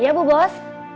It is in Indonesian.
iya bu bos